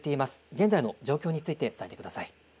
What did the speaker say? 現在の状況について伝えてください。